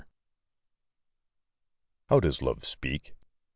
How does Love speak?